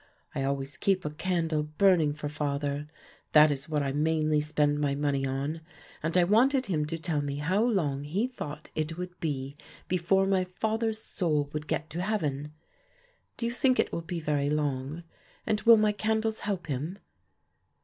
I always keep a candle burning for father; that is what I mainly spend my money on, and I wanted him to tell me how long he thought it would be before my father's soul would get to heaven; do you think it will be very long, and will my candles help him?